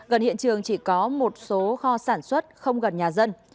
gần hiện trường chỉ có một số kho sản xuất không gần nhà dân